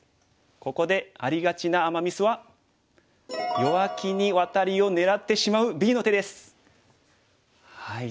ここでありがちなアマ・ミスは弱気にワタリを狙ってしまうＢの手です。